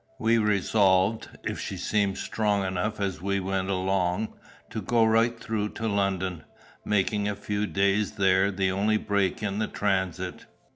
We resolved, if she seemed strong enough as we went along, to go right through to London, making a few days there the only break in the transit.